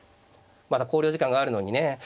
まだ考慮時間があるのにね